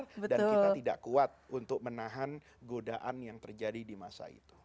dan kita tidak kuat untuk menahan godaan yang terjadi di masa itu